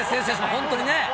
本当にね。